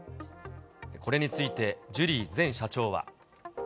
これについて、ジュリー前社長は。